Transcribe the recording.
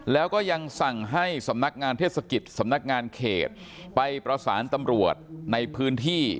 แล้วก็ยังสั่งให้สำนักงานเทศกิจสำนักงานเขตไปประสานตำรวจในพื้นที่